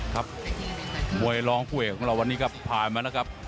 ครับมวยร้องคู่เอกของเราวันนี้ก็ผ่านมานะครับ